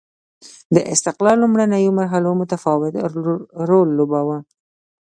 د استقلال لومړنیو مرحلو متفاوت رول ولوباوه.